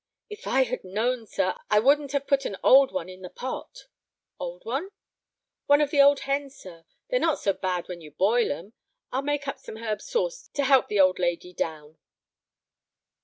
"If I had known, sir, I wouldn't have put an old one in the pot." "Old one?" "One of the old hens, sir; they're not so bad when you boil 'em. I'll make up some herb sauce to help the old lady down."